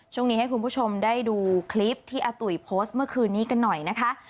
ช่วงนี้ให้คุณผู้ชมได้ดูคลิปที่อาตุ๋ยโพสต์เมื่อคืนนี้กันหน่อยนะคะ